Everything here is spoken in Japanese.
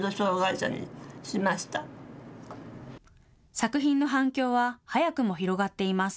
作品の反響は早くも広がっています。